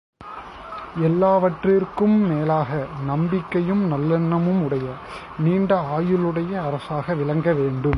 எல்லாவற்றிற்கும் மேலாக நம்பிக்கையும் நல்லெண்ணமும் உடைய நீண்ட ஆயுளுடைய அரசாக விளங்க வேண்டும்.